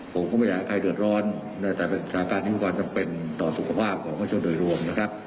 ผมก็ไม่อยากให้ใครเดือดร้อนนะแต่เป็นสถานการณ์ที่มีความจำเป็นต่อสุขภาพของประชาชนโดยรวมนะครับ